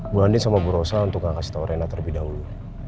bu andin sama bu rosa untuk nggak kasih tau reina terlebih dahulu